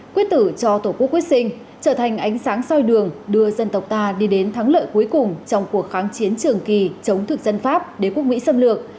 quyết tử cho tổ quốc quyết sinh trở thành ánh sáng soi đường đưa dân tộc ta đi đến thắng lợi cuối cùng trong cuộc kháng chiến trường kỳ chống thực dân pháp đế quốc mỹ xâm lược